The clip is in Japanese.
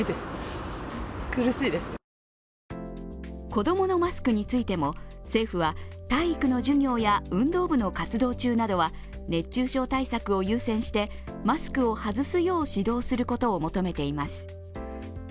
子供のマスクについても政府は、体育の授業や運動部の活動中などは熱中症対策を優先してマスクを外すよう指導することを求めています。